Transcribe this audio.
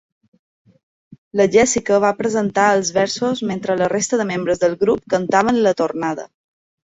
La Jessica va presentar els versos mentre la resta de membres del grup cantaven la tornada.